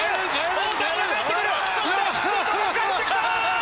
大谷が帰ってくる、そして周東が帰ってくる。